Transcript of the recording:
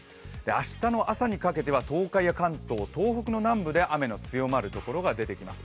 明日の朝にかけては東海や関東、東北の南部で雨の強まるところが出てきます。